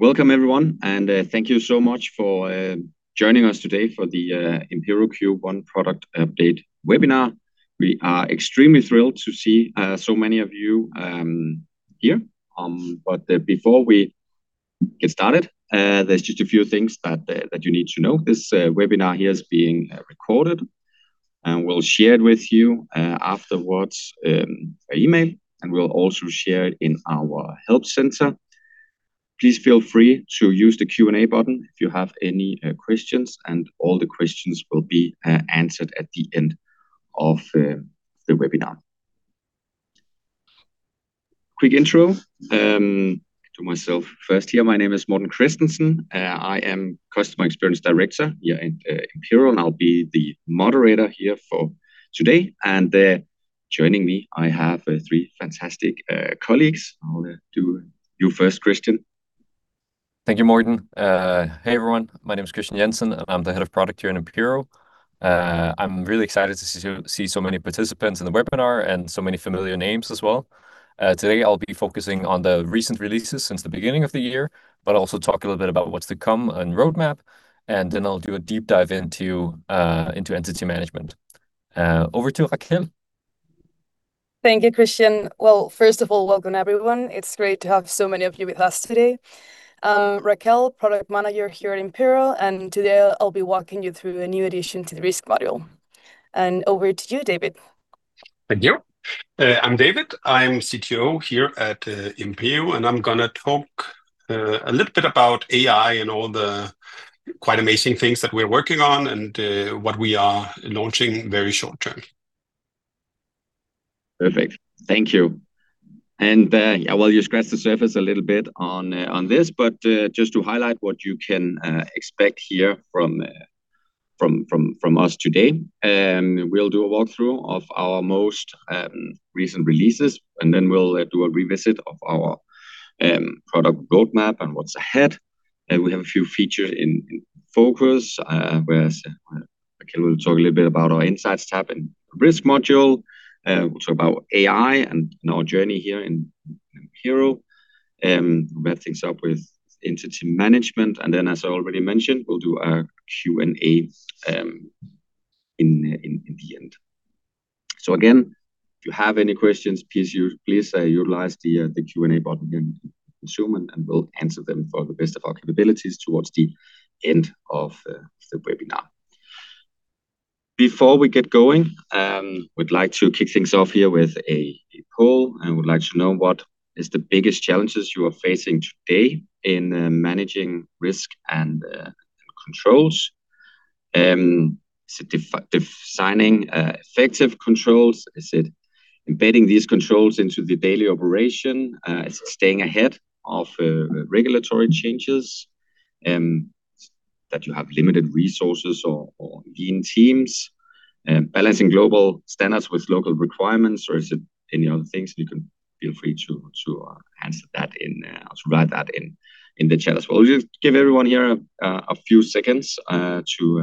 Welcome everyone, and thank you so much for joining us today for the Impero Q1 product update webinar. We are extremely thrilled to see so many of you here. Before we get started, there's just a few things that you need to know. This webinar here is being recorded, and we'll share it with you afterwards via email, and we'll also share it in our help center. Please feel free to use the Q&A button if you have any questions, and all the questions will be answered at the end of the webinar. Quick intro to myself first here. My name is Morten Christensen. I am Customer Experience Director here in Impero, and I'll be the moderator here for today. Joining me, I have three fantastic colleagues. I'll do you first, Kristian. Thank you, Morten. Hey, everyone. My name is Kristian Jensen, and I'm the head of product here in Impero. I'm really excited to see so many participants in the webinar and so many familiar names as well. Today I'll be focusing on the recent releases since the beginning of the year, but also talk a little bit about what's to come and roadmap. I'll do a deep dive into Entity Management. Over to Raquel. Thank you, Kristian. Well, first of all, welcome everyone. It's great to have so many of you with us today. Raquel, Product Manager here at Impero, and today I'll be walking you through a new addition to the Risk Module. Over to you, David. Thank you. I'm David. I'm CTO here at Impero, and I'm gonna talk a little bit about AI and all the quite amazing things that we're working on and what we are launching very short term. Perfect. Thank you. You scratched the surface a little bit on this, but just to highlight what you can expect here from us today, we'll do a walkthrough of our most recent releases, and then we'll do a revisit of our product roadmap and what's ahead. We have a few features in focus, whereas Raquel will talk a little bit about our Insights tab and Risk Module. We'll talk about AI and our journey here in Impero. Wrap things up with Entity Management. Then as I already mentioned, we'll do a Q&A in the end. Again, if you have any questions, please utilize the Q&A button in Zoom, and we'll answer them for the best of our capabilities towards the end of the webinar. Before we get going, we'd like to kick things off here with a poll and would like to know what is the biggest challenges you are facing today in managing risk and controls. Is it defining effective controls? Is it embedding these controls into the daily operation? Is it staying ahead of regulatory changes? Or that you have limited resources or lean teams? Balancing global standards with local requirements, or is it any other things? You can feel free to answer that or to write that in the chat as well. We'll give everyone here a few seconds to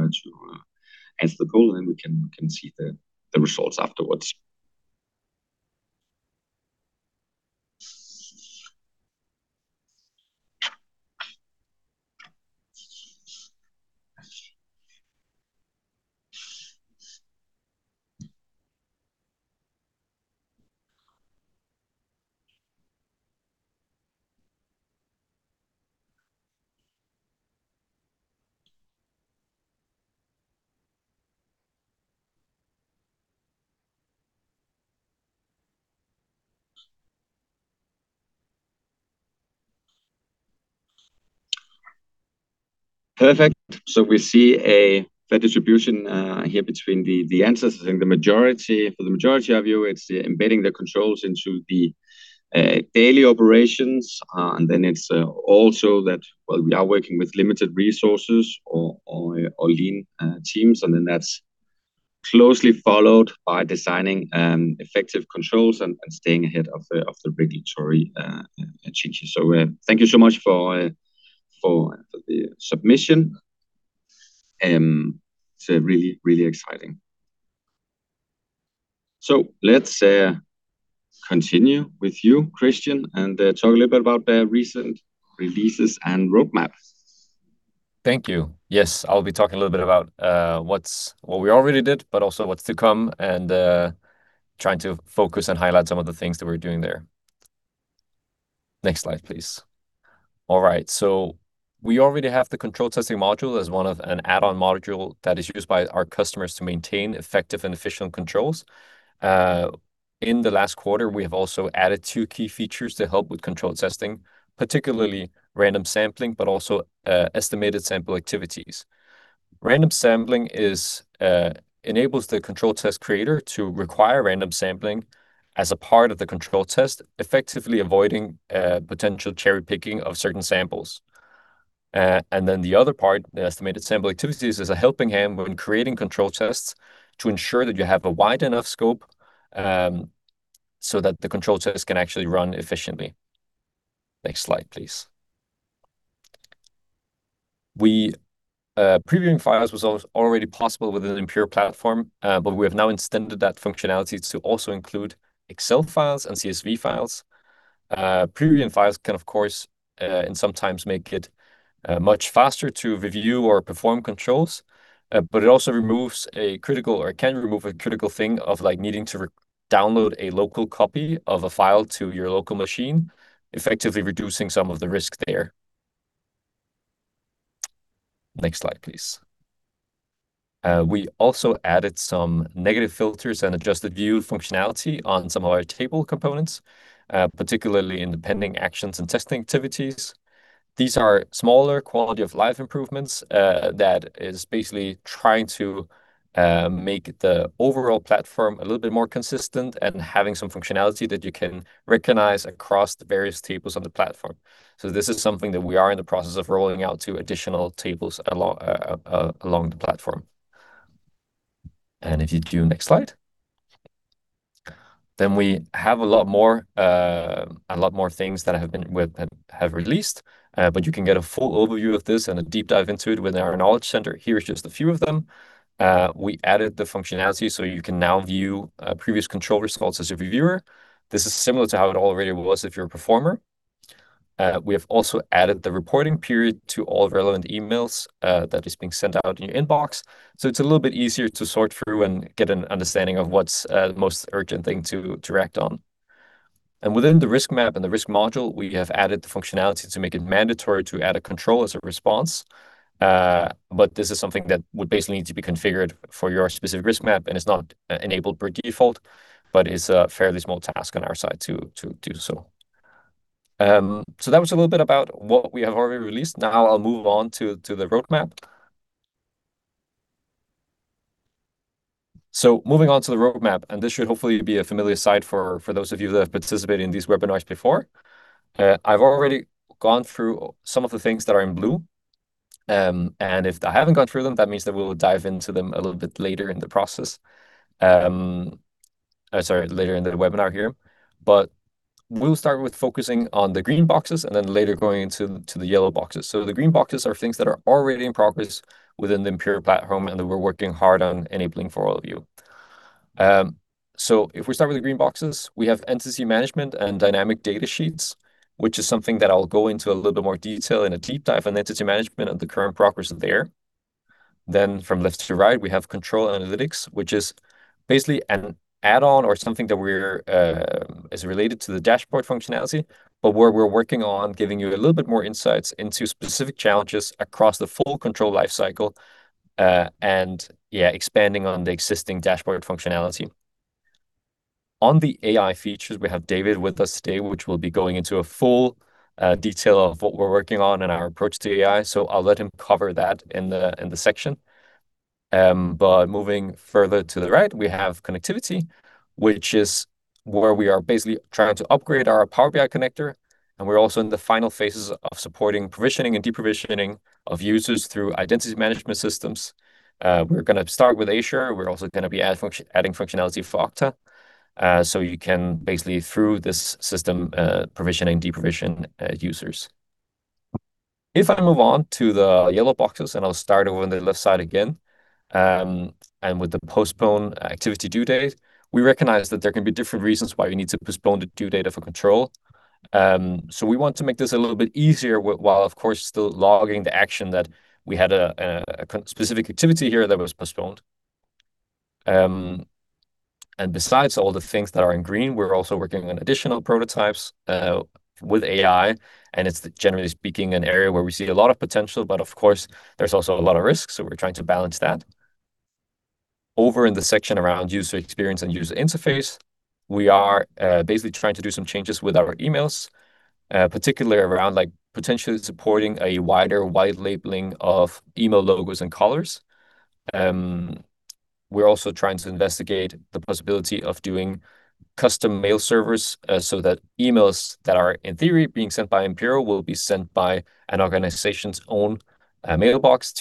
answer the poll, and then we can see the results afterwards. Perfect. We see a fair distribution here between the answers. I think the majority for the majority of you, it's embedding the controls into the daily operations. And then it's also that, well, we are working with limited resources or lean teams. And then that's closely followed by designing effective controls and staying ahead of the regulatory changes. Thank you so much for the submission. It's really exciting. Let's continue with you, Kristian, and talk a little bit about the recent releases and roadmap. Thank you. Yes, I'll be talking a little bit about what we already did, but also what's to come and trying to focus and highlight some of the things that we're doing there. Next slide, please. All right. We already have the control testing module as one of an add-on module that is used by our customers to maintain effective and efficient controls. In the last quarter, we have also added two key features to help with control testing, particularly random sampling, but also estimated sample activities. Random sampling enables the control test creator to require random sampling as a part of the control test, effectively avoiding potential cherry-picking of certain samples. The other part, the estimated sample activities, is a helping hand when creating control tests to ensure that you have a wide enough scope, so that the control tests can actually run efficiently. Next slide, please. Previewing files was already possible with an Impero platform, but we have now extended that functionality to also include Excel files and CSV files. Previewing files can, of course, sometimes make it much faster to review or perform controls, but it also can remove a critical thing of like needing to re-download a local copy of a file to your local machine, effectively reducing some of the risk there. Next slide, please. We also added some negative filters and adjusted view functionality on some of our table components, particularly in the pending actions and testing activities. These are smaller quality-of-life improvements that is basically trying to make the overall platform a little bit more consistent and having some functionality that you can recognize across the various tables on the platform. This is something that we are in the process of rolling out to additional tables along the platform. If you do next slide. We have a lot more, a lot more things that have released, but you can get a full overview of this and a deep dive into it with our knowledge center. Here's just a few of them. We added the functionality so you can now view previous control results as a reviewer. This is similar to how it already was if you're a performer. We have also added the reporting period to all relevant emails that is being sent out in your inbox, so it's a little bit easier to sort through and get an understanding of what's the most urgent thing to act on. Within the risk map and the risk module, we have added the functionality to make it mandatory to add a control as a response, but this is something that would basically need to be configured for your specific risk map, and it's not enabled per default, but it's a fairly small task on our side to do so. That was a little bit about what we have already released. Now I'll move on to the roadmap. Moving on to the roadmap, and this should hopefully be a familiar sight for those of you that have participated in these webinars before. I've already gone through some of the things that are in blue. If I haven't gone through them, that means that we will dive into them a little bit later in the webinar here. We'll start with focusing on the green boxes and then later going into the yellow boxes. The green boxes are things that are already in progress within the Impero platform, and that we're working hard on enabling for all of you. If we start with the green boxes, we have Entity Management and dynamic data sheets, which is something that I'll go into a little bit more detail in a deep dive on Entity Management and the current progress there. From left to right, we have control analytics, which is basically an add-on or something that is related to the dashboard functionality, but where we're working on giving you a little bit more insights into specific challenges across the full control life cycle, and expanding on the existing dashboard functionality. On the AI features, we have David Højelsen with us today, which will be going into a full detail of what we're working on and our approach to AI, so I'll let him cover that in the section. Moving further to the right, we have connectivity, which is where we are basically trying to upgrade our Power BI connector, and we're also in the final phases of supporting provisioning and deprovisioning of users through identity management systems. We're gonna start with Azure. We're also gonna be adding functionality for Okta, so you can basically through this system provision and deprovision users. If I move on to the yellow boxes, I'll start over on the left side again with the postpone activity due date, we recognize that there can be different reasons why you need to postpone the due date of a control. We want to make this a little bit easier while of course still logging the action that we had a specific activity here that was postponed. Besides all the things that are in green, we're also working on additional prototypes with AI, and it's generally speaking an area where we see a lot of potential, but of course, there's also a lot of risk, so we're trying to balance that. Over in the section around user experience and user interface, we are basically trying to do some changes with our emails, particularly around like potentially supporting a wider labeling of email logos and colors. We're also trying to investigate the possibility of doing custom mail servers, so that emails that are in theory being sent by Impero will be sent by an organization's own mailbox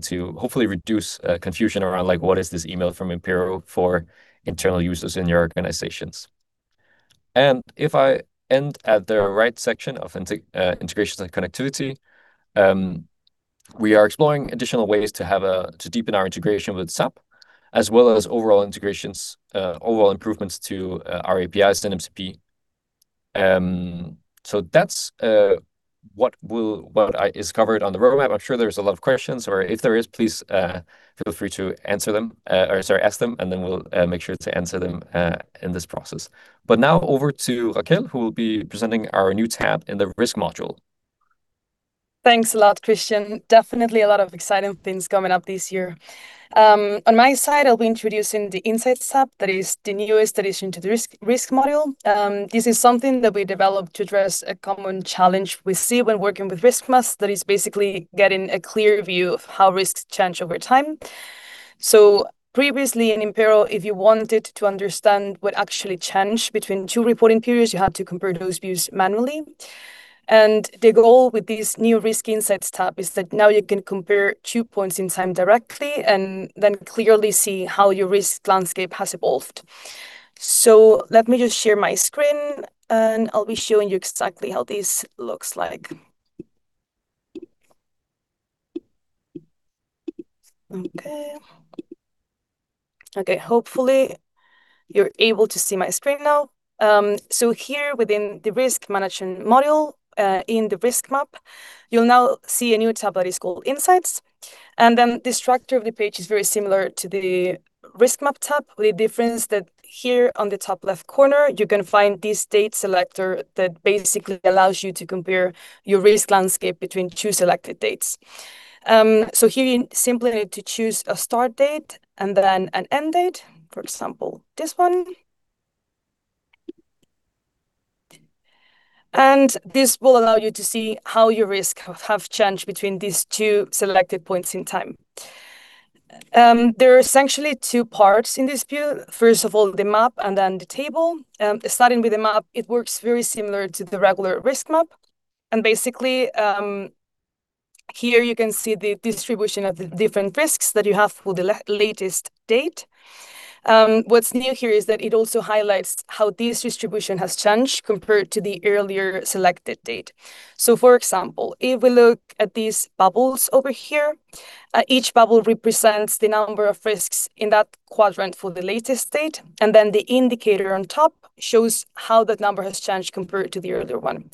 to hopefully reduce confusion around like what is this email from Impero for internal users in your organizations. If I end at the right section of integrations and connectivity, we are exploring additional ways to have a to deepen our integration with SAP, as well as overall integrations, overall improvements to our APIs and MCP. That's what I just covered on the roadmap. I'm sure there's a lot of questions, or if there is, please feel free to ask them, and then we'll make sure to answer them in this process. Now over to Raquel, who will be presenting our new tab in the risk module. Thanks a lot, Kristian. Definitely a lot of exciting things coming up this year. On my side, I'll be introducing the Insights tab, that is the newest addition to the risk module. This is something that we developed to address a common challenge we see when working with risk maps that is basically getting a clear view of how risks change over time. Previously in Impero, if you wanted to understand what actually changed between two reporting periods, you had to compare those views manually. The goal with this new Risk Insights tab is that now you can compare two points in time directly and then clearly see how your risk landscape has evolved. Let me just share my screen. I'll be showing you exactly how this looks like. Okay. Hopefully you're able to see my screen now. Here within the risk management module, in the risk map, you'll now see a new tab that is called Insights. The structure of the page is very similar to the risk map tab, with the difference that here on the top left corner, you're gonna find this date selector that basically allows you to compare your risk landscape between two selected dates. Here you simply need to choose a start date and then an end date, for example, this one. This will allow you to see how your risk have changed between these two selected points in time. There are essentially two parts in this view. First of all, the map, and then the table. Starting with the map, it works very similar to the regular risk map, and basically, here you can see the distribution of the different risks that you have for the latest date. What's new here is that it also highlights how this distribution has changed compared to the earlier selected date. For example, if we look at these bubbles over here, each bubble represents the number of risks in that quadrant for the latest date, and then the indicator on top shows how that number has changed compared to the earlier one.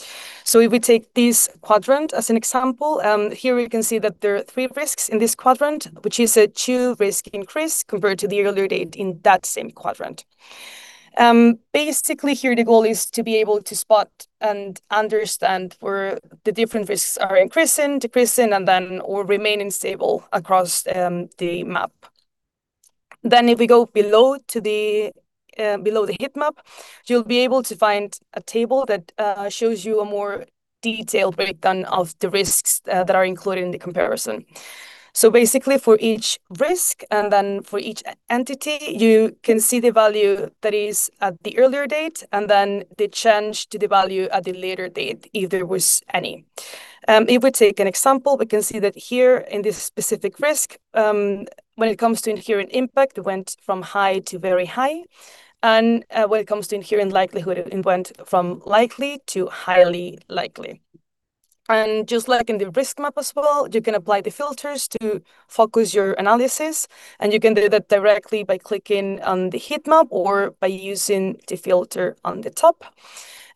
If we take this quadrant as an example, here we can see that there are three risks in this quadrant, which is a two risk increase compared to the earlier date in that same quadrant. Basically here the goal is to be able to spot and understand where the different risks are increasing, decreasing, or remaining stable across the map. If we go below the heat map, you'll be able to find a table that shows you a more detailed breakdown of the risks that are included in the comparison. Basically, for each risk, and then for each entity, you can see the value that is at the earlier date, and then the change to the value at the later date, if there was any. If we take an example, we can see that here in this specific risk, when it comes to inherent impact, it went from high to very high. When it comes to inherent likelihood, it went from likely to highly likely. Just like in the risk map as well, you can apply the filters to focus your analysis, and you can do that directly by clicking on the heat map or by using the filter on the top.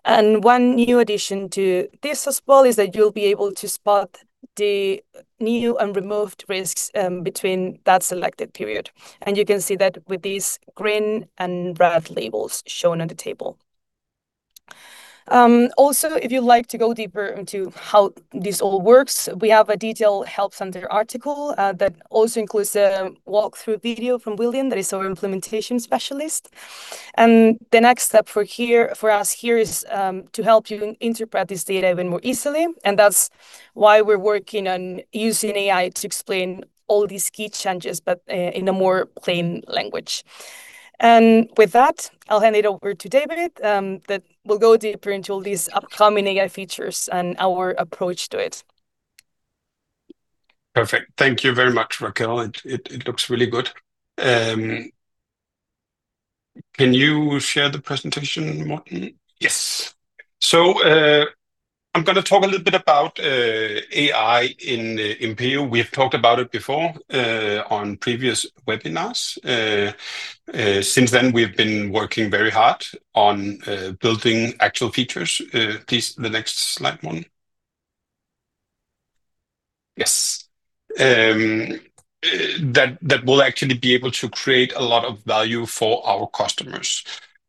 One new addition to this as well is that you'll be able to spot the new and removed risks between that selected period, and you can see that with these green and red labels shown on the table. Also, if you'd like to go deeper into how this all works, we have a detailed Help Center article that also includes a walk-through video from William, that is our implementation specialist. The next step for here. For us here is to help you interpret this data even more easily, and that's why we're working on using AI to explain all these key changes, but in a more plain language. With that, I'll hand it over to David that will go deeper into all these upcoming AI features and our approach to it. Perfect. Thank you very much, Raquel. It looks really good. Can you share the presentation, Morten? Yes. I'm gonna talk a little bit about AI in Impero. We have talked about it before on previous webinars. Since then, we've been working very hard on building actual features. Please, the next slide, Morten. Yes. That will actually be able to create a lot of value for our customers.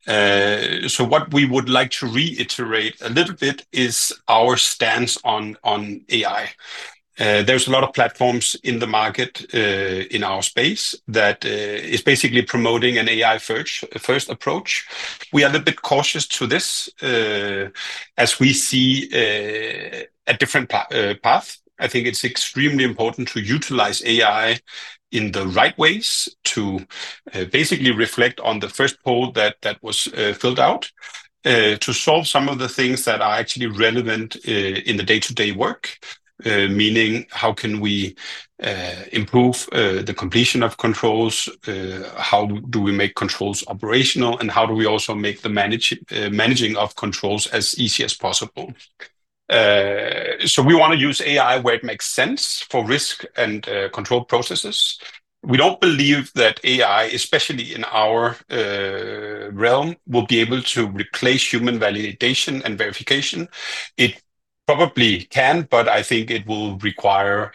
What we would like to reiterate a little bit is our stance on AI. There's a lot of platforms in the market in our space that is basically promoting an AI first approach. We are a bit cautious to this as we see a different path. I think it's extremely important to utilize AI in the right ways to basically reflect on the first poll that was filled out to solve some of the things that are actually relevant in the day-to-day work meaning how can we improve the completion of controls? How do we make controls operational? How do we also make the managing of controls as easy as possible? We wanna use AI where it makes sense for risk and control processes. We don't believe that AI especially in our realm will be able to replace human validation and verification. It probably can but I think it will require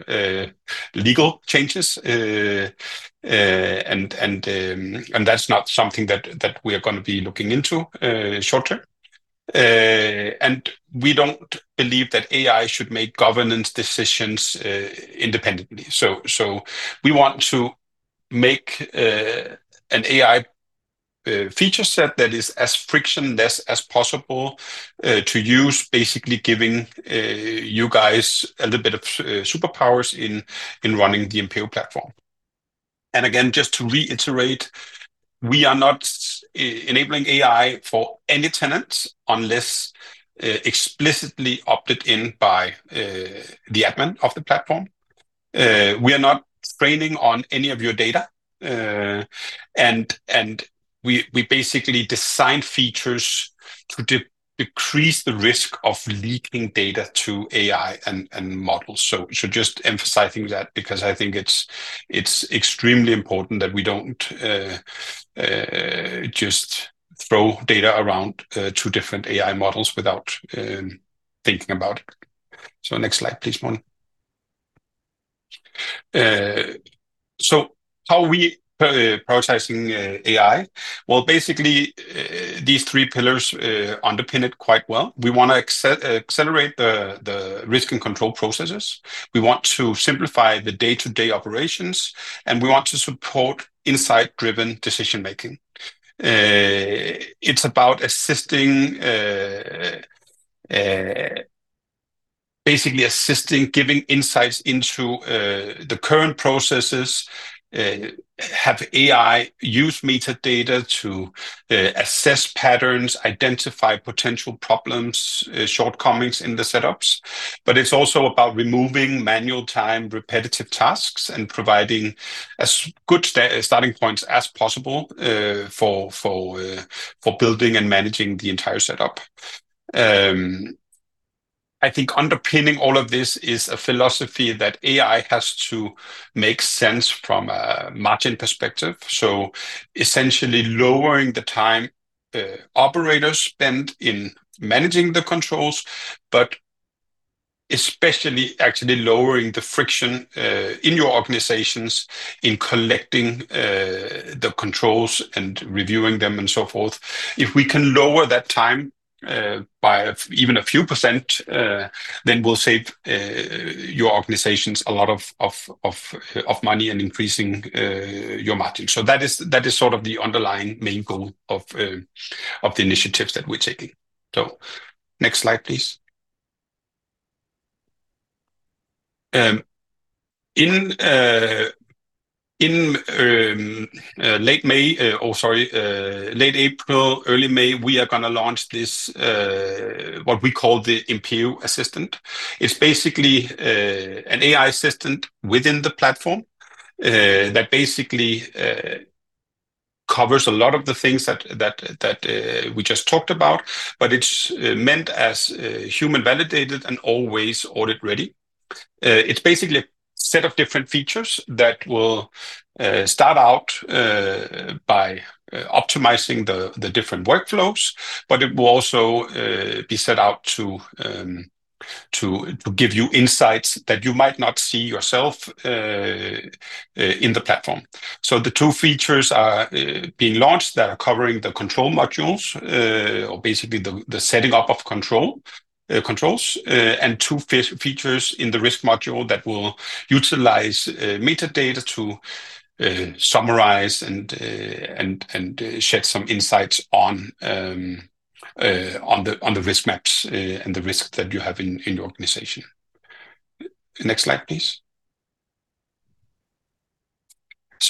legal changes. That's not something that we are gonna be looking into short-term. We don't believe that AI should make governance decisions independently. We want to make an AI feature set that is as frictionless as possible to use, basically giving you guys a little bit of superpowers in running the Impero platform. Again, just to reiterate, we are not enabling AI for any tenant unless explicitly opted in by the admin of the platform. We are not training on any of your data, and we basically design features to decrease the risk of leaking data to AI and models. Just emphasizing that because I think it's extremely important that we don't just throw data around to different AI models without thinking about it. Next slide, please, Morten. How are we prioritizing AI? Well, basically, these three pillars underpin it quite well. We want to accelerate the risk and control processes, we want to simplify the day-to-day operations, and we want to support insight-driven decision-making. It's about assisting, basically assisting giving insights into the current processes, have AI use metadata to assess patterns, identify potential problems, shortcomings in the setups, but it's also about removing manual time, repetitive tasks, and providing as good starting points as possible, for building and managing the entire setup. I think underpinning all of this is a philosophy that AI has to make sense from a margin perspective, so essentially lowering the time operators spend in managing the controls, but especially actually lowering the friction in your organizations in collecting the controls and reviewing them and so forth. If we can lower that time by even a few%, then we'll save your organizations a lot of money and increasing your margin. That is sort of the underlying main goal of the initiatives that we're taking. Next slide, please. In late April, early May, we are gonna launch this what we call the Impero Assistant. It's basically an AI assistant within the platform that basically covers a lot of the things that we just talked about. It's meant as human-validated and always audit-ready. It's basically a set of different features that will start out by optimizing the different workflows, but it will also be set out to give you insights that you might not see yourself in the platform. The two features are being launched that are covering the control modules, or basically the setting up of control controls, and two features in the risk module that will utilize metadata to summarize and shed some insights on the risk maps and the risks that you have in your organization. Next slide, please.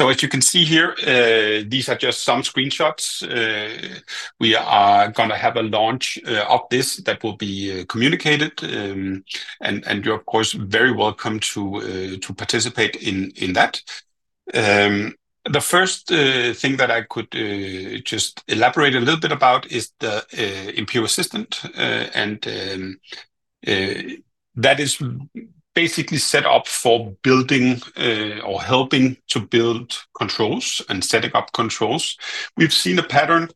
As you can see here, these are just some screenshots. We are gonna have a launch of this that will be communicated, and you're of course very welcome to participate in that. The first thing that I could just elaborate a little bit about is the Impero Assistant. That is basically set up for building or helping to build controls and setting up controls. We've seen a pattern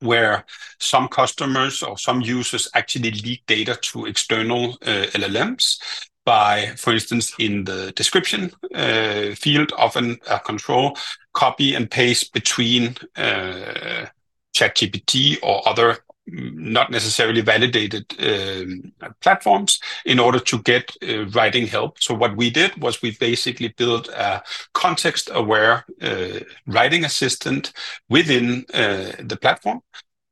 where some customers or some users actually leak data to external LLMs by, for instance, in the description field of a control, copy and paste between ChatGPT or other not necessarily validated platforms in order to get writing help. What we did was we basically built a context-aware writing assistant within the platform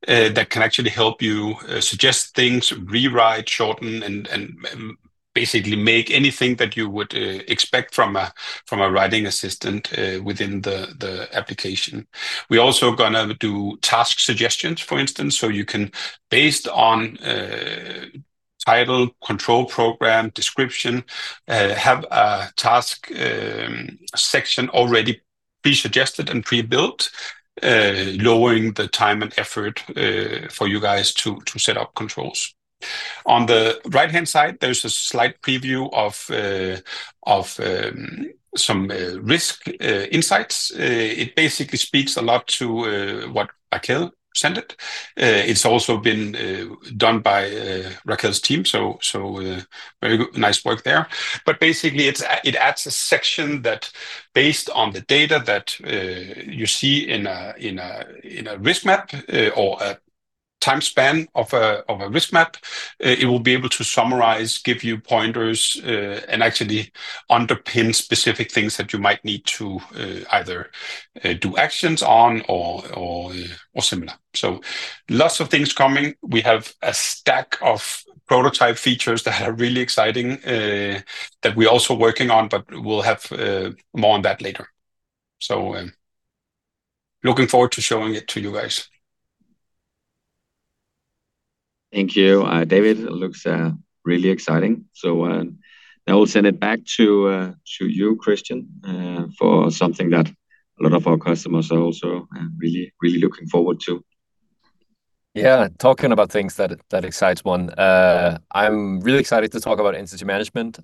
that can actually help you suggest things, rewrite, shorten, and basically make anything that you would expect from a writing assistant within the application. We're also gonna do task suggestions, for instance, so you can, based on title, control program, description, have a task section already be suggested and pre-built, lowering the time and effort for you guys to set up controls. On the right-hand side, there's a slight preview of some risk insights. It basically speaks a lot to what Raquel presented. It's also been done by Raquel's team, so very good. Nice work there. Basically, it adds a section that, based on the data that you see in a risk map or a time span of a risk map, it will be able to summarize, give you pointers, and actually underpin specific things that you might need to either do actions on or similar. Lots of things coming. We have a stack of prototype features that are really exciting that we're also working on, but we'll have more on that later. Looking forward to showing it to you guys. Thank you, David Højelsen. It looks really exciting. Now we'll send it back to you Kristian, for something that a lot of our customers are also really, really looking forward to. Yeah. Talking about things that excites one. I'm really excited to talk about Entity Management.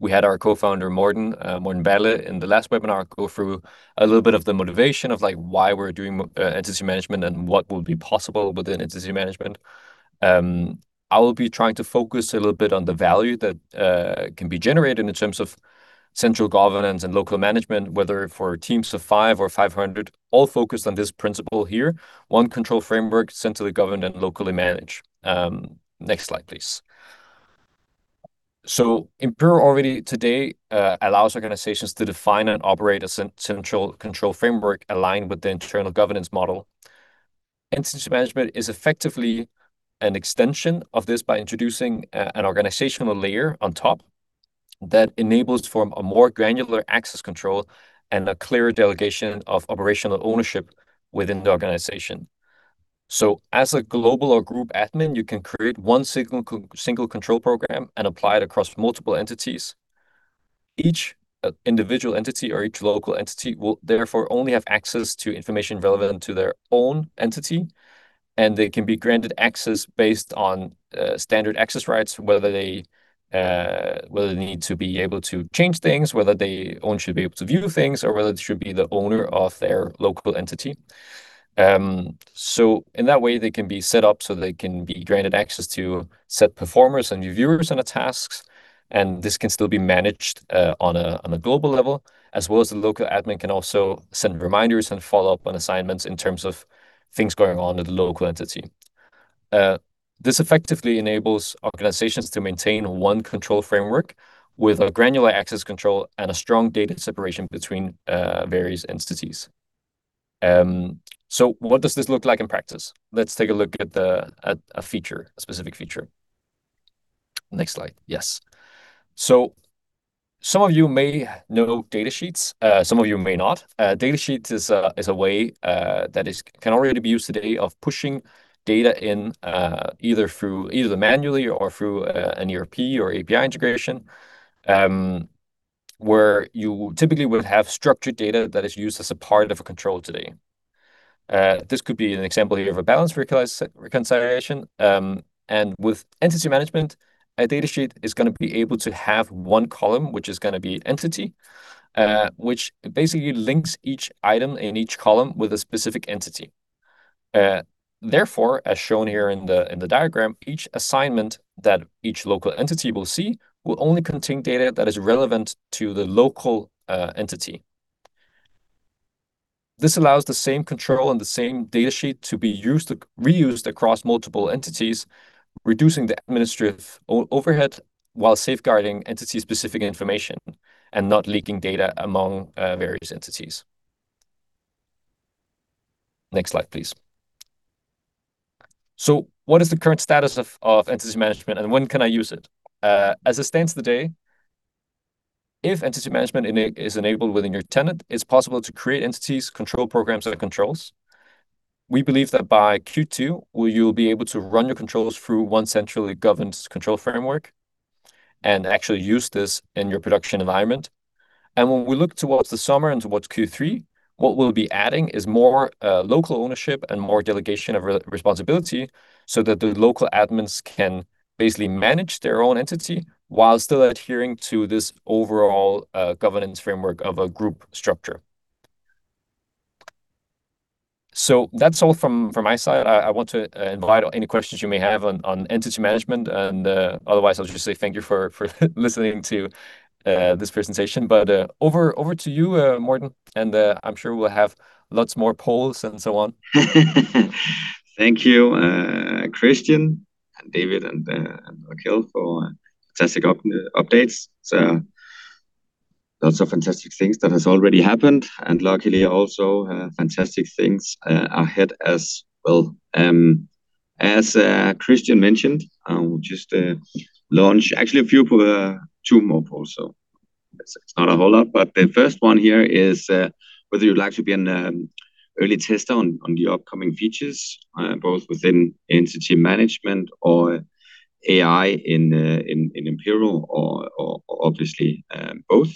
We had our co-founder, Morten Balle, in the last webinar go through a little bit of the motivation of, like, why we're doing Entity Management and what will be possible within Entity Management. I will be trying to focus a little bit on the value that can be generated in terms of central governance and local management, whether for teams of five or 500, all focused on this principle here, one control framework centrally governed and locally managed. Next slide, please. Impero already today allows organizations to define and operate a central control framework aligned with the internal governance model. Entity Management is effectively an extension of this by introducing an organizational layer on top that enables a more granular access control and a clear delegation of operational ownership within the organization. As a global or group admin, you can create one single control program and apply it across multiple entities. Each individual entity or each local entity will therefore only have access to information relevant to their own entity, and they can be granted access based on standard access rights, whether they need to be able to change things, whether they only should be able to view things, or whether they should be the owner of their local entity. In that way, they can be set up so they can be granted access to set performers and reviewers on the tasks, and this can still be managed on a global level, as well as the local admin can also send reminders and follow up on assignments in terms of things going on at the local entity. This effectively enables organizations to maintain one control framework with a granular access control and a strong data separation between various entities. What does this look like in practice? Let's take a look at a feature, a specific feature. Next slide. Yes. Some of you may know data sheets, some of you may not. Data sheets is a way that can already be used today of pushing data in, either manually or through an ERP or API integration, where you typically would have structured data that is used as a part of a control today. This could be an example here of a balance reconciliation. With Entity Management, a data sheet is gonna be able to have one column, which is gonna be entity, which basically links each item in each column with a specific entity. Therefore, as shown here in the diagram, each assignment that each local entity will see will only contain data that is relevant to the local entity. This allows the same control and the same data sheet to be used, reused across multiple entities, reducing the administrative overhead while safeguarding entity-specific information and not leaking data among various entities. Next slide, please. What is the current status of Entity Management and when can I use it? As it stands today, if Entity Management is enabled within your tenant, it's possible to create entities, control programs, and controls. We believe that by Q2, you'll be able to run your controls through one centrally governed control framework and actually use this in your production environment. When we look towards the summer and towards Q3, what we'll be adding is more local ownership and more delegation of responsibility so that the local admins can basically manage their own entity while still adhering to this overall governance framework of a group structure. That's all from my side. I want to invite any questions you may have on Entity Management. Otherwise, I'll just say thank you for listening to this presentation. Over to you, Morten, and I'm sure we'll have lots more polls and so on. Thank you, Kristian and David and Raquel for fantastic updates. Lots of fantastic things that has already happened, and luckily also fantastic things ahead as well. As Kristian mentioned, we'll just launch actually two more polls so it's not a whole lot. The first one here is whether you'd like to be an early tester on the upcoming features both within Entity Management or AI in Impero or obviously both.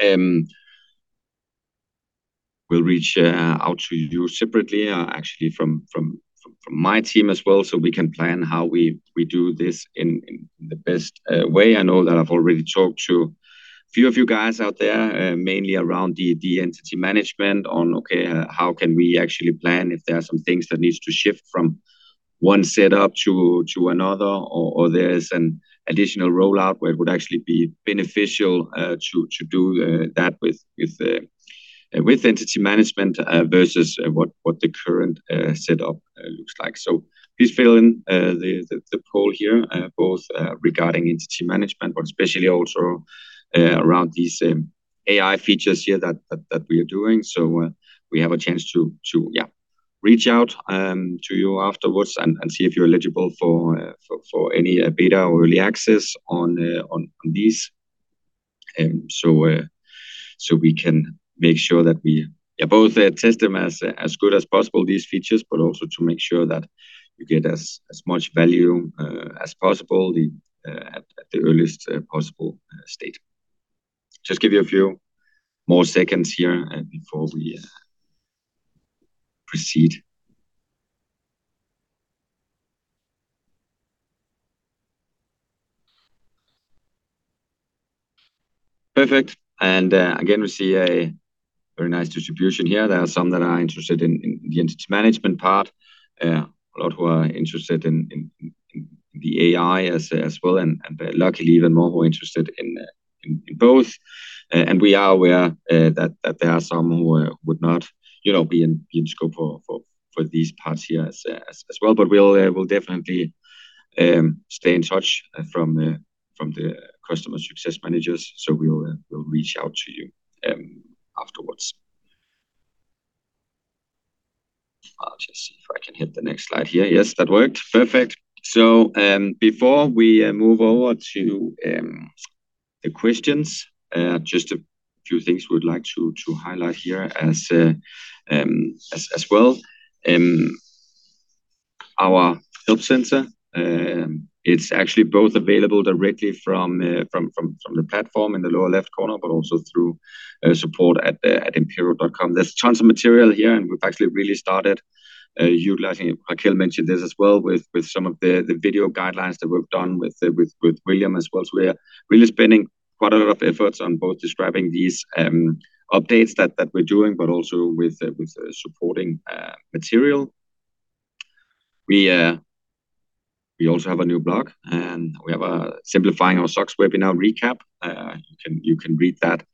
We'll reach out to you separately actually from my team as well, so we can plan how we do this in the best way. I know that I've already talked to a few of you guys out there, mainly around the Entity Management, how can we actually plan if there are some things that needs to shift from one setup to another, or there's an additional rollout where it would actually be beneficial to do that with Entity Management versus what the current setup looks like. Please fill in the poll here, both regarding Entity Management but especially also around these AI features here that we are doing. We have a chance to reach out to you afterwards and see if you're eligible for any beta or early access on these. We can make sure that we both test them as good as possible, these features, but also to make sure that you get as much value as possible at the earliest possible state. Just give you a few more seconds here before we proceed. Perfect. Again, we see a very nice distribution here. There are some that are interested in the Entity Management part. A lot who are interested in the AI as well, and luckily even more who are interested in both. We are aware that there are some who would not, you know, be in scope for these parts here as well. We'll definitely stay in touch from the customer success managers, so we'll reach out to you afterwards. I'll just see if I can hit the next slide here. Yes, that worked. Perfect. Before we move over to the questions, just a few things we'd like to highlight here as well. Our help center, it's actually both available directly from the platform in the lower left corner, but also through support at impero.com. There's tons of material here, and we've actually really started utilizing Raquel mentioned this as well with some of the video guidelines that we've done with William as well. We're really spending quite a lot of efforts on both describing these updates that we're doing, but also with supporting material. We also have a new blog, and we have a simplifying our SOC webinar recap. You can read that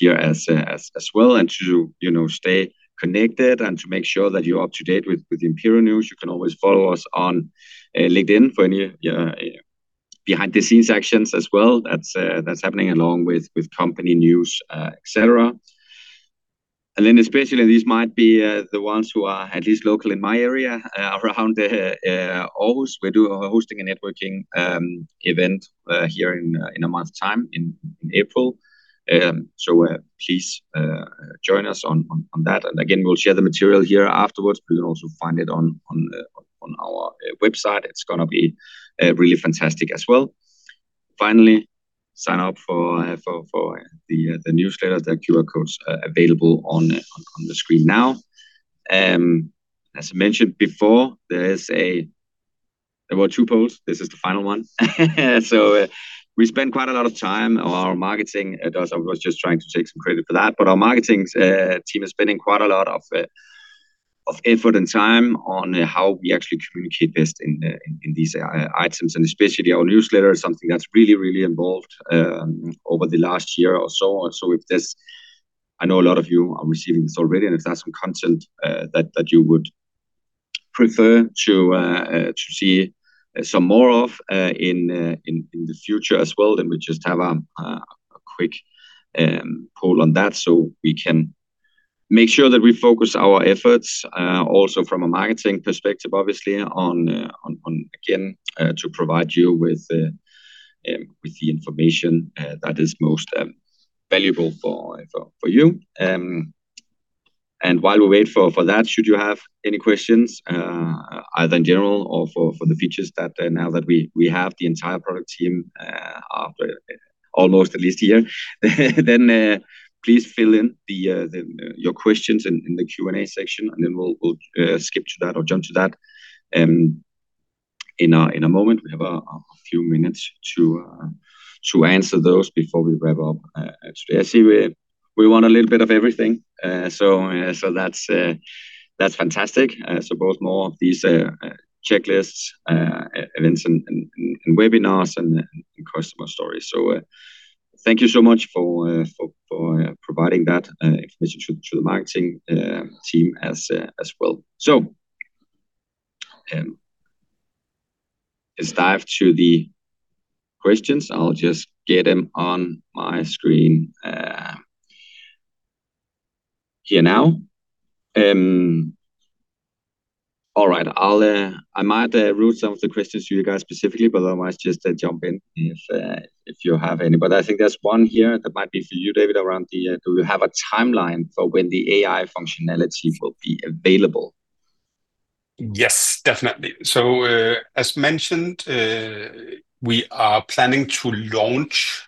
here as well. To you know stay connected and to make sure that you're up to date with Impero news, you can always follow us on LinkedIn for any behind the scenes actions as well that's happening along with company news, et cetera. Especially these might be the ones who are at least local in my area around Aarhus. We're hosting a networking event here in a month's time in April. Please join us on that. Again, we'll share the material here afterwards, but you can also find it on our website. It's gonna be really fantastic as well. Finally, sign up for the newsletter. The QR code's available on the screen now. As I mentioned before, there were two polls. This is the final one. We spent quite a lot of time, our marketing does. I was just trying to take some credit for that. Our marketing team is spending quite a lot of effort and time on how we actually communicate best in these items. Especially our newsletter is something that's really, really evolved over the last year or so. I know a lot of you are receiving this already, and if that's some content that you would prefer to see some more of in the future as well, then we just have a quick poll on that so we can make sure that we focus our efforts also from a marketing perspective, obviously on again to provide you with the information that is most valuable for you. While we wait for that, should you have any questions, either in general or for the features that now that we have the entire product team, after almost at least a year, then please fill in your questions in the Q&A section, and then we'll skip to that or jump to that, in a moment. We have a few minutes to answer those before we wrap up today. I see we want a little bit of everything. That's fantastic. Both more of these checklists, events and webinars and customer stories. Thank you so much for providing that information to the marketing team as well. Let's dive into the questions. I'll just get them on my screen here now. All right. I might route some of the questions to you guys specifically, but otherwise just jump in if you have any. I think there's one here that might be for you, David, around, do we have a timeline for when the AI functionality will be available? Yes, definitely. As mentioned, we are planning to launch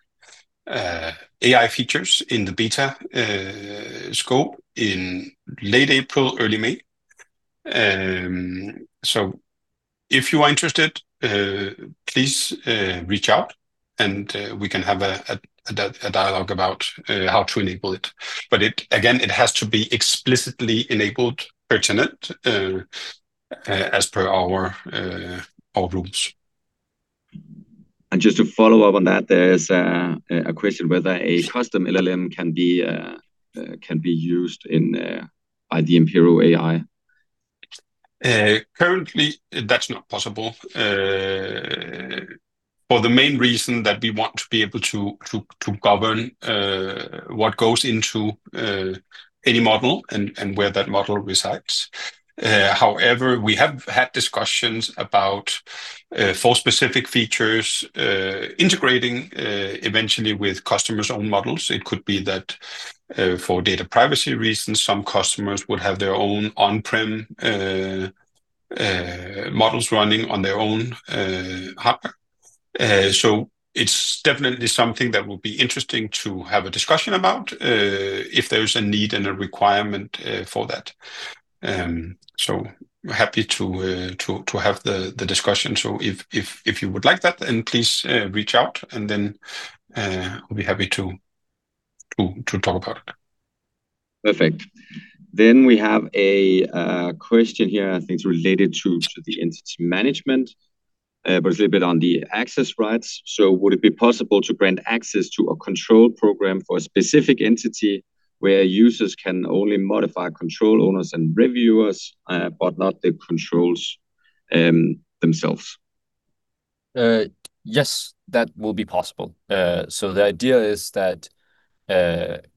AI features in the beta scope in late April, early May. If you are interested, please reach out and we can have a dialogue about how to enable it. It again has to be explicitly enabled per tenant, as per our rules. Just to follow up on that, there's a question whether a custom LLM can be used in by the Impero AI. Currently that's not possible for the main reason that we want to be able to govern what goes into any model and where that model resides. However, we have had discussions about for specific features integrating eventually with customers' own models. It could be that for data privacy reasons, some customers would have their own on-prem models running on their own hardware. It's definitely something that will be interesting to have a discussion about if there's a need and a requirement for that. Happy to have the discussion. If you would like that, then please reach out and then we'll be happy to talk about it. Perfect. We have a question here I think it's related to the Entity Management, but it's a little bit on the access rights. Would it be possible to grant access to a control program for a specific entity where users can only modify control owners and reviewers, but not the controls, themselves? Yes, that will be possible. The idea is that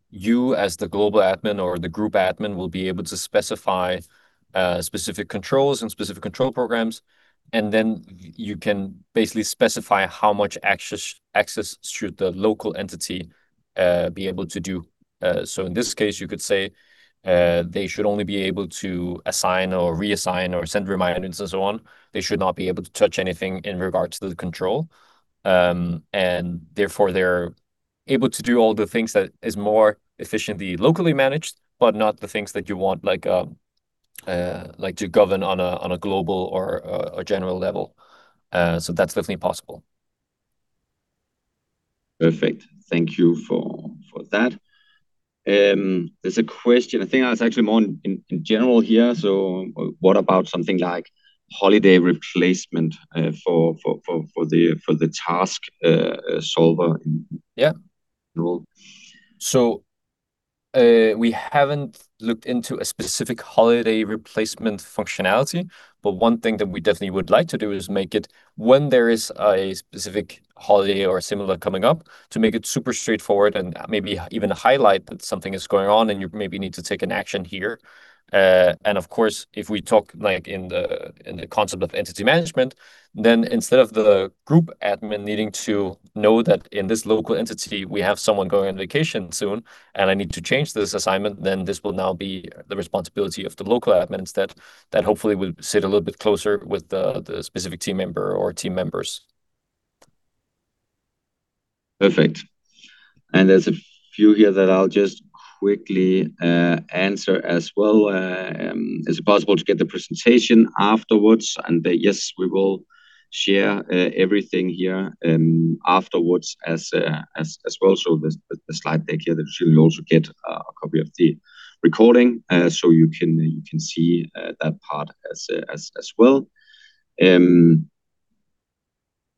you as the global admin or the group admin will be able to specify specific controls and specific control programs, and then you can basically specify how much access should the local entity be able to do. In this case you could say they should only be able to assign or reassign or send reminders and so on. They should not be able to touch anything in regards to the control. Therefore, they're able to do all the things that is more efficiently locally managed, but not the things that you want like to govern on a global or a general level. That's definitely possible. Perfect. Thank you for that. There's a question, I think it's actually more in general here. What about something like holiday replacement for the task solver? Yeah. We haven't looked into a specific holiday replacement functionality, but one thing that we definitely would like to do is make it when there is a specific holiday or similar coming up, to make it super straightforward and maybe even highlight that something is going on and you maybe need to take an action here. Of course, if we talk like in the concept of Entity Management, then instead of the group admin needing to know that in this local entity we have someone going on vacation soon, and I need to change this assignment, then this will now be the responsibility of the local admin instead, that hopefully will sit a little bit closer with the specific team member or team members. Perfect. There's a few here that I'll just quickly answer as well. Is it possible to get the presentation afterwards? Yes, we will share everything here afterwards as well. The slide deck here that you should also get a copy of the recording, so you can see that part as well.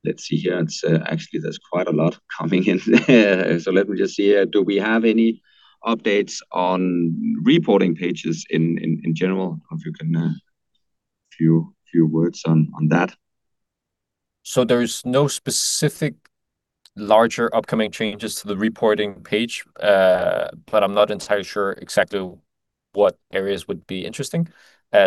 Let's see here. It's actually there's quite a lot coming in so let me just see. Do we have any updates on reporting pages in general? If you can a few words on that. There is no specific larger upcoming changes to the reporting page. I'm not entirely sure exactly what areas would be interesting. I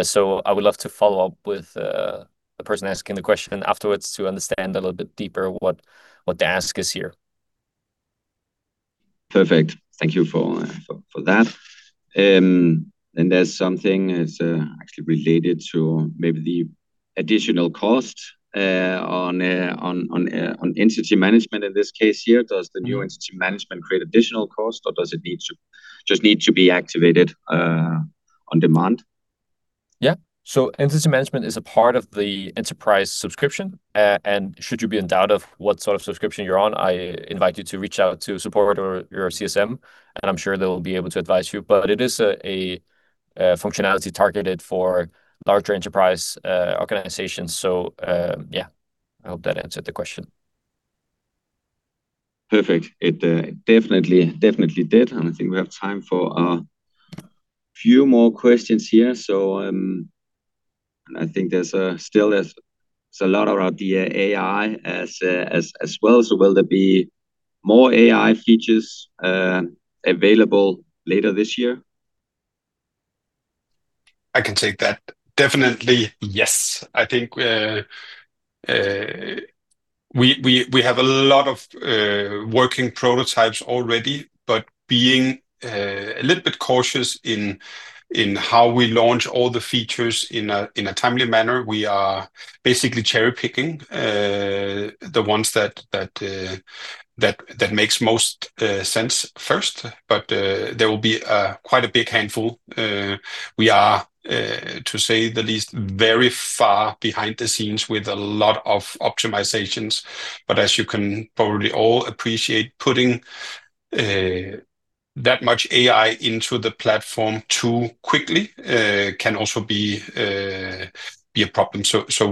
would love to follow up with the person asking the question afterwards to understand a little bit deeper what the ask is here. Perfect. Thank you for that. There's something that's actually related to maybe the additional cost on Entity Management in this case here. Does the new Entity Management create additional cost or does it just need to be activated on demand? Yeah. Entity Management is a part of the enterprise subscription. Should you be in doubt of what sort of subscription you're on, I invite you to reach out to support or your CSM, and I'm sure they'll be able to advise you. It is a functionality targeted for larger enterprise organizations. Yeah, I hope that answered the question. Perfect. It definitely did. I think we have time for a few more questions here. I think there's still a lot around the AI as well. Will there be more AI features available later this year? I can take that. Definitely, yes. I think we have a lot of working prototypes already, but being a little bit cautious in how we launch all the features in a timely manner. We are basically cherry-picking the ones that makes most sense first. There will be quite a big handful. We are to say the least very far behind the scenes with a lot of optimizations. As you can probably all appreciate, putting that much AI into the platform too quickly can also be a problem.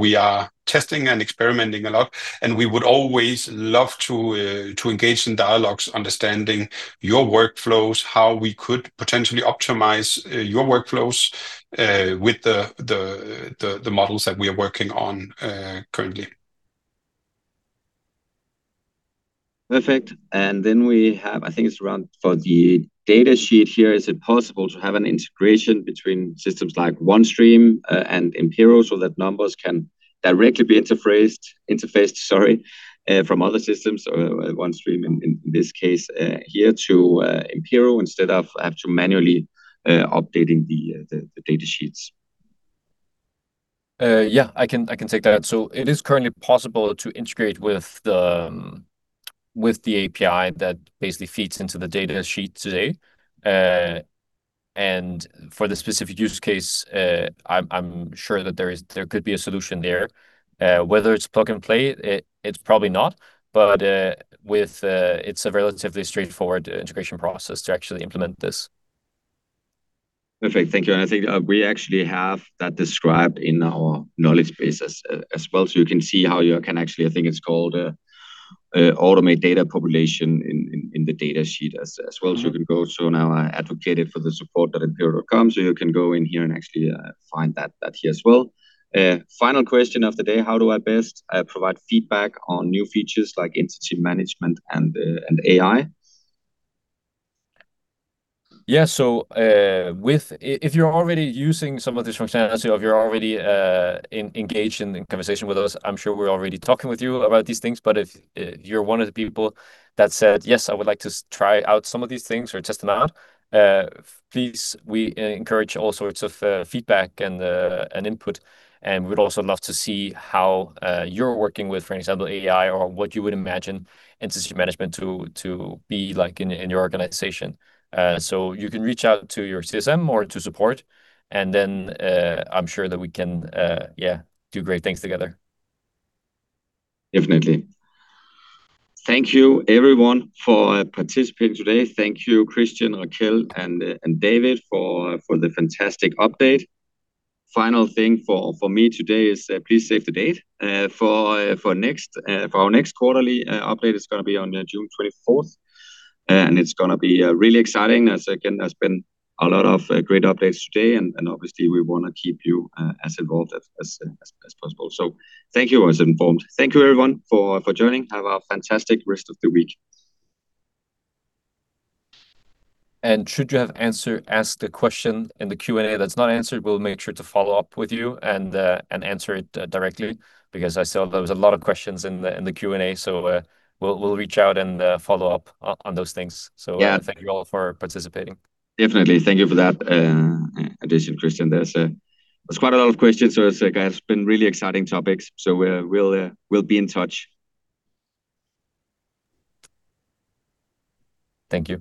We are testing and experimenting a lot, and we would always love to engage in dialogues, understanding your workflows, how we could potentially optimize your workflows with the models that we are working on currently. Perfect. We have, I think it's around for the data sheet here, is it possible to have an integration between systems like OneStream and Impero so that numbers can directly be interfaced from other systems or OneStream in this case here to Impero instead of have to manually updating the data sheets? Yeah, I can take that. It is currently possible to integrate with the API that basically feeds into the data sheet today. For the specific use case, I'm sure that there could be a solution there. Whether it's plug-and-play, it's probably not, but it's a relatively straightforward integration process to actually implement this. Perfect. Thank you. I think we actually have that described in our knowledge base as well, so you can see how you can actually. I think it's called automate data population in the data sheet as well. You can go. Now I advocate for support.impero.com, so you can go in here and actually find that here as well. Final question of the day, how do I best provide feedback on new features like Entity Management and AI? Yeah. If you're already using some of this functionality or if you're already engaged in conversation with us, I'm sure we're already talking with you about these things. If you're one of the people that said, "Yes, I would like to try out some of this things or test them out," please, we encourage all sorts of feedback and input. We'd also love to see how you're working with, for example, AI or what you would imagine Entity Management to be like in your organization. You can reach out to your CSM or to support, and then I'm sure that we can yeah, do great things together. Definitely. Thank you everyone for participating today. Thank you, Kristian, Raquel, and David for the fantastic update. Final thing for me today is, please save the date for our next quarterly update. It's gonna be on June 24th, and it's gonna be really exciting. As again, there's been a lot of great updates today, and obviously we wanna keep you as involved as possible. So thank you, stay informed. Thank you everyone for joining. Have a fantastic rest of the week. Should you have asked a question in the Q&A that's not answered, we'll make sure to follow up with you and answer it directly because I saw there was a lot of questions in the Q&A. We'll reach out and follow up on those things. Yeah. Thank you all for participating. Definitely. Thank you for that, addition, Kristian. There's quite a lot of questions, so it's like, it's been really exciting topics. We'll be in touch. Thank you.